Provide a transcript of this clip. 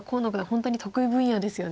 本当に得意分野ですよね。